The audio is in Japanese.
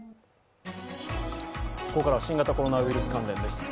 ここからは新型コロナウイルス関連です。